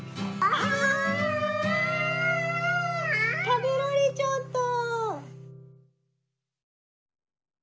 たべられちゃった。